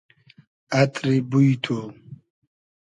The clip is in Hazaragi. اتری بوی تو